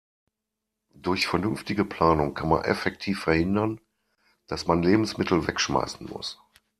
Durch vernünftige Planung kann man effektiv verhindern, dass man Lebensmittel wegschmeißen muss.